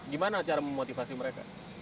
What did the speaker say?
gimana cara memotivasi mereka